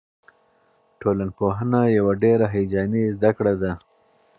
ټولنپوهنه یوه ډېره هیجاني زده کړه ده.